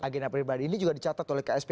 agenda pribadi ini juga dicatat oleh ksp